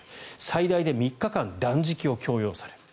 最大で３日間断食を強要される。